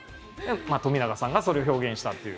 冨永さんがそれを表現したという。